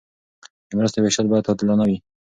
د مرستو ویشل باید عادلانه وي.